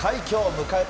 迎えた